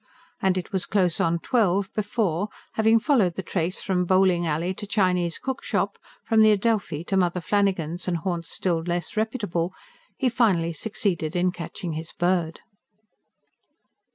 And it was close on twelve before, having followed the trace from bowling alley to Chinese cook shop, from the "Adelphi" to Mother Flannigan's and haunts still less reputable, he finally succeeded in catching his bird.